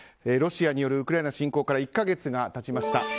ロシアによるウクライナ侵攻から１か月が経ちました。